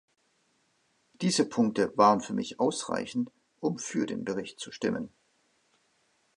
Diese Punkte waren für mich ausreichend, um für den Bericht zu stimmen.